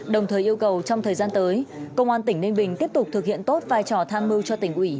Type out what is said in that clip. đồng thời yêu cầu trong thời gian tới công an tỉnh ninh bình tiếp tục thực hiện tốt vai trò tham mưu cho tỉnh ủy